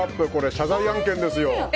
謝罪案件ですよ。